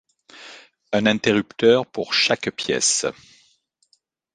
un interrupteur pour chaque pièce